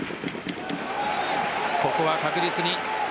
ここは確実に。